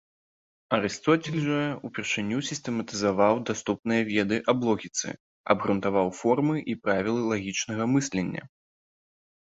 Арыстоцель жа ўпершыню сістэматызаваў даступныя веды аб логіцы, абгрунтаваў формы і правілы лагічнага мыслення.